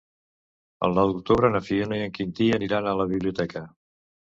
El nou d'octubre na Fiona i en Quintí aniran a la biblioteca.